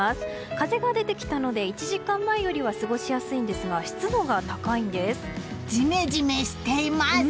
風が出てきたので１時間前よりは過ごしやすいんですがジメジメしています！